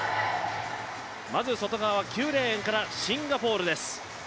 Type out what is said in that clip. まず外側、９レーンからシンガポールです。